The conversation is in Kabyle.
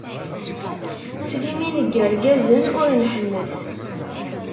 S limin n yirgazen ur nḥennet!